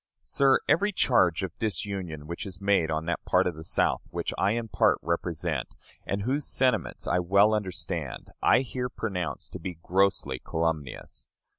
Sir, every charge of disunion which is made on that part of the South which I in part represent, and whose sentiments I well understand, I here pronounce to be grossly calumnious.